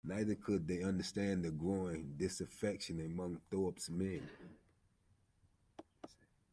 Neither could they understand the growing disaffection among Thorpe's men.